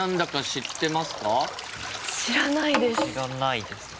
知らないですね。